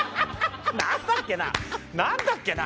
何だっけな何だっけな。